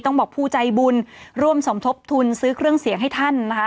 บอกผู้ใจบุญร่วมสมทบทุนซื้อเครื่องเสียงให้ท่านนะคะ